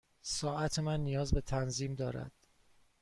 ساعت من نیاز به تنظیم دارد.